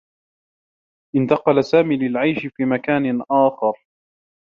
انتقل سامي للعيش في مكان آخر.